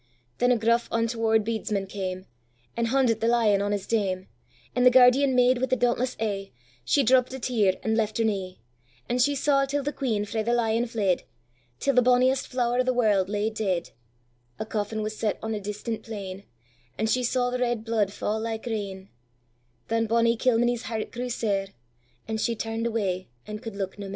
Then a gruff untoward bedesman came, And hundit the lion on his dame; And the guardian maid wi' the dauntless e'e, She dropp'd a tear, and left her knee; And she saw till the queen frae the lion fled, Till the bonniest flower of the world lay dead;A coffin was set on a distant plain, And she saw the red blood fall like rain; Then bonnie Kilmeny's heart grew sair, And she turn'd away, and could look nae mair.